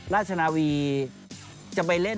ราชนาวีจะไปเล่น